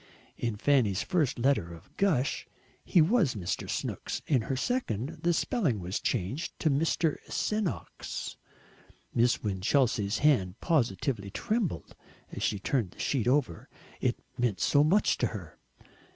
In Fanny's first letter of gush he was Mr. "Snooks," in her second the spelling was changed to Mr. "Senoks." Miss Winchelsea's hand positively trembled as she turned the sheet over it meant so much to her.